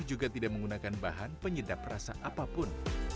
juga tidak menggunakan bahan penyedap rasa apapun